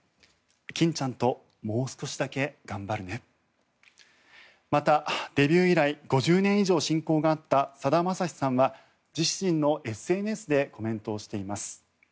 キンちゃんともう少しだけ頑張るねまた、デビュー以来５０年以上親交があったさだまさしさんは自身のＳＮＳでコメントをしています。